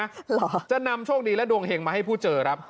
เฉิงดีนะจะนำช่วงดีและดวงเผงมาให้ผู้เจอ